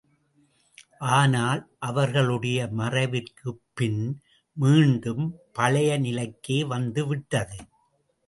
ஆனால் அவர்களுடைய மறைவிற்குப் பின் மீண்டும் பழைய நிலைக்கே வந்து விட்டது.